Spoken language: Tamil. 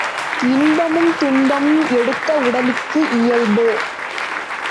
இன்பமும் துன்பமும் எடுத்த உடலுக்கு இயல்பு.